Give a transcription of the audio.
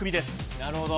なるほど。